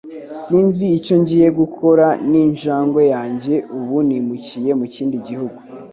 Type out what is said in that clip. Sinzi icyo ngiye gukora ninjangwe yanjye ubu nimukiye mu kindi gihugu.